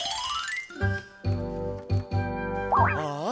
ああ！